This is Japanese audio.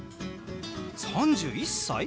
３１歳？